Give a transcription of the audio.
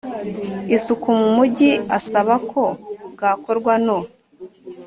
isuku mu mugi asaba ko bwakorwa no